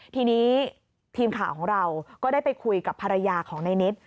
ทีนี้ทีมข่าวของเราก็ได้ไปคุยกับภรรยาของในนิด